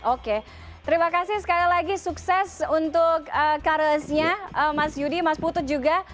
oke terima kasih sekali lagi sukses untuk karesnya mas yudi mas putut juga